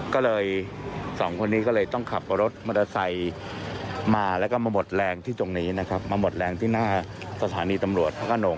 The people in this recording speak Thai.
ก็เลยสองคนนี้ก็เลยต้องขับรถมอเตอร์ไซค์มาแล้วก็มาหมดแรงที่ตรงนี้นะครับมาหมดแรงที่หน้าสถานีตำรวจพระขนง